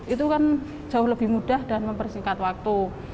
itu kan jauh lebih mudah dan mempersingkat waktu